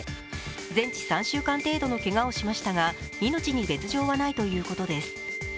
全治３週間程度のけがをしましたが命に別状はないということです。